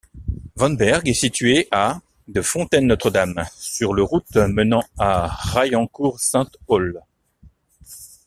Von Berg, est situé à de Fontaine-Notre-Dame sur le route menant à Raillencourt-Sainte-Olle.